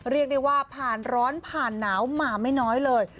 เรียกได้ว่าผ่านร้อนผ่านหนาวมาไม่น้อยเลย